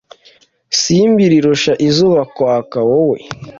simbi rirusha izuba kwaka, wowe